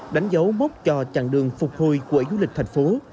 đánh dấu mốc cho chặng đường phục hồi của du lịch thành phố